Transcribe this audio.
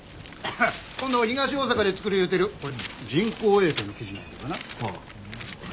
今度東大阪で作るいうてる人工衛星の記事なんやけどな。